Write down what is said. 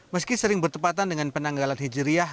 meski sering bertepatan dengan penanggalan hijriah